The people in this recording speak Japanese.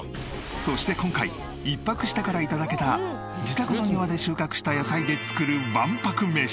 そして今回１泊したから頂けた自宅の庭で収穫した野菜で作る１泊メシ。